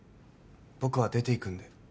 僕は出て行くので。